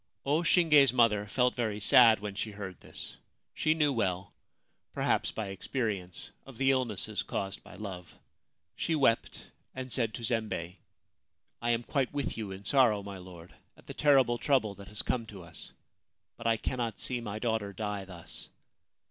O Shinge's mother felt very sad when she heard this. She knew well (perhaps by experience) of the illnesses caused by love. She wept, and said to Zembei :* I am quite with you in sorrow, my lord, at the terrible trouble that has come to us ; but I cannot see my daughter die thus.